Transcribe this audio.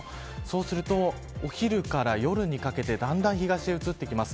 そうすると昼から夜にかけてだんだん東へ移ってきます。